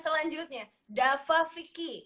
selanjutnya dava fikir